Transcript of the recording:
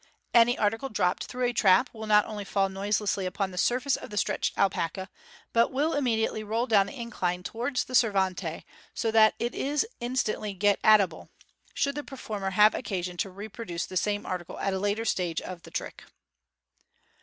Any article dropped through a trap will not only fail noiselessly upon the surface of the stretched alpaca, but will immediately roll down the incline towards the servante, so that it is instantly get at able, should the performer have occasion to reproduce the same article at a later stage of the trick.